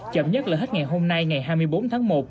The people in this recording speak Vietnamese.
chậm nhất là hết ngày hôm nay ngày hai mươi bốn tháng một